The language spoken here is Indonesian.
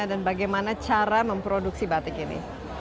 dan bagaimana cara memproduksi batik ini